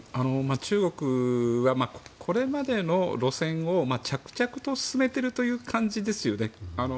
中国はこれまでの路線を着々と進めているという感じですよね。